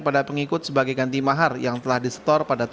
pada pengikut sebagai ganti mahar yang telah distor